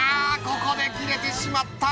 ここで切れてしまった！